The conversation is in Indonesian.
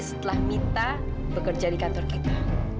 setelah minta bekerja di kantor kita